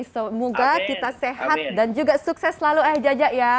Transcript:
semoga kita sehat dan juga sukses selalu ayah jaja ya